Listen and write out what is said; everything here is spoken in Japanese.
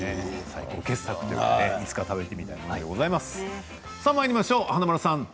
最高傑作ということでいつか食べてみたいですね。